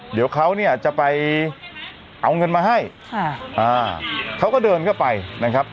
เดี๋ยวเขาเนี่ยจะไปเอาเงินมาให้ค่ะอ่าเขาก็เดินเข้าไปนะครับ